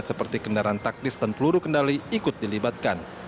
seperti kendaraan taktis dan peluru kendali ikut dilibatkan